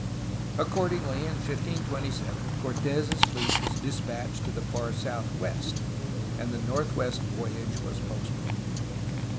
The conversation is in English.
Accordingly, in 1527, Cortes' fleet was despatched to the far southwest, and the northwest voyage was postponed.